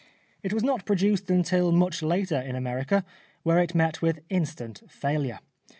It was not produced until much later in America, where it met with instant failure.